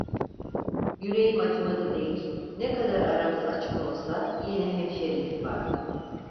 Yüreğim acımadı değil, ne kadar aramız açık olsa, yine hemşerilik vardı.